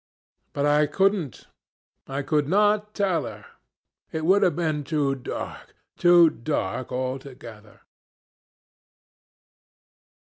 But I couldn't. I could not tell her. It would have been too dark too dark altogether.